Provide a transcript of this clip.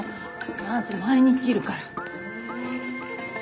何せ毎日いるから。